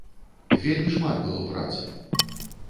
Вельмі шмат было працы.